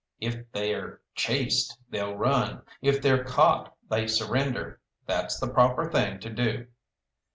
If they're chased they'll run, if they're caught they surrender. That's the proper thing to do.